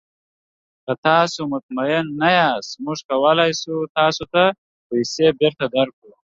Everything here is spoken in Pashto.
که تاسو مطمین نه یاست، موږ کولی شو تاسو ته پیسې بیرته درکړو.